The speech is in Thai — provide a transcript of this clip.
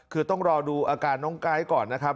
คือต้องรอดูอาการน้องไก๊ก่อนนะครับ